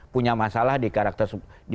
punya masalah di karakter